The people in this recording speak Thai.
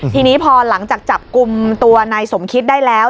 ทีนี้พอหลังจากจับกลุ่มตัวนายสมคิดได้แล้ว